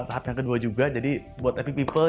tahap yang kedua juga jadi buat epic people